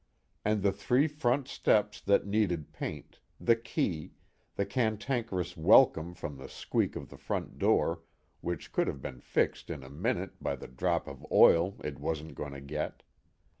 And the three front steps that needed paint, the key, the cantankerous welcome from the squeak of the front door which could have been fixed in a minute by the drop of oil it wasn't going to get.